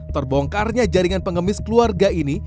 terbongkarnya jaringan pengemis keluarga ini